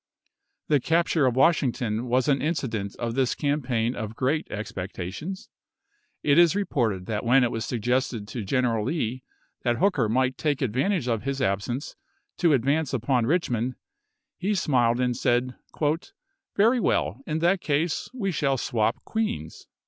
The capture of Washington was an incident of this campaign of great expectations. It is reported that when it was suggested to General Lee that Hooker might take advantage of his absence to advance upon Bichmond, he smiled and said, "Very well, in that case we shall swap queens."